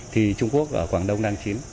thì trung quốc ở quảng đông đang chín